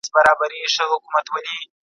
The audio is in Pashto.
ایا ته غواړې د یو شاعر په اړه تحقیق وکړې؟